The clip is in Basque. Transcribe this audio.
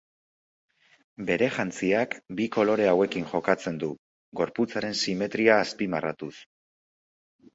Bere jantziak bi kolore hauekin jokatzen du, gorputzaren simetria azpimarratuz.